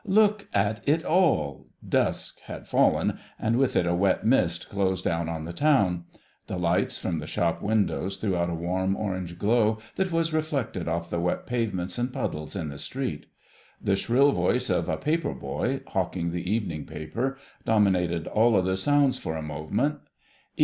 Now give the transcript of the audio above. Look at it all...." Dusk had fallen, and with it a wet mist closed down on the town. The lights from the shop windows threw out a warm orange glow that was reflected off the wet pavements and puddles in the street. The shrill voice of a paper boy, hawking the evening paper, dominated all other sounds for a moment.